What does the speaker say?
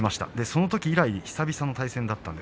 そのとき以来、久々の対戦です。